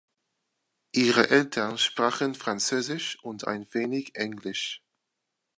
Ihre Eltern sprachen Französisch und ein wenig englisch.